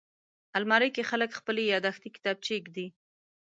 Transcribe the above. الماري کې خلک خپلې یاداښتې کتابچې ایږدي